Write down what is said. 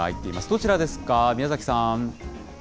どちらですか？